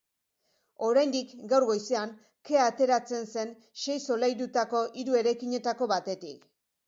Oraindik, gaur goizean, kea ateratzen zen sei solairutako hiru eraikinetako batetik.